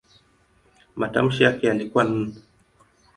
Matamshi yake yalikuwa "n".